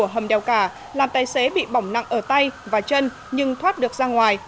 hầm đèo cả làm tay xế bị bỏng nặng ở tay và chân nhưng thoát được ra ngoài